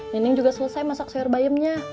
nining juga selesai masak sayur bayamnya